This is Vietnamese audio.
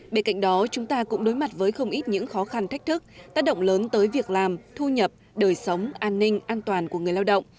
bên cạnh đó chúng ta cũng đối mặt với không ít những khó khăn thách thức tác động lớn tới việc làm thu nhập đời sống an ninh an toàn của người lao động